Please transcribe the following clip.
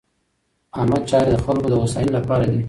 عامه چارې د خلکو د هوساینې لپاره دي.